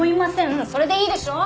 それでいいでしょ？